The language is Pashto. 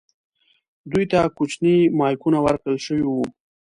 دوی ته کوچني مایکونه ورکړل شوي وو.